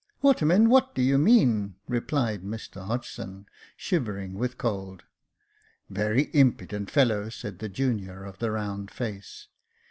" "Waterman, what do you mean ?" replied Mr Hodgson, shivering with cold. " Very impudent fellow," said the junior, of the round face.